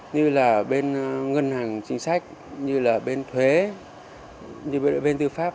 như là bên ngân hàng chính sách như là bên thuế như bên tư pháp